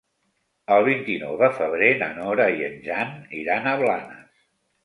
El vint-i-nou de febrer na Nora i en Jan iran a Blanes.